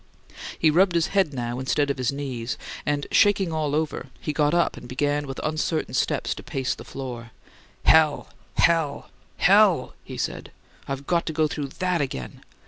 He rubbed his head now instead of his knees, and, shaking all over, he got up and began with uncertain steps to pace the floor. "Hell, hell, hell!" he said. "I've got to go through THAT again!"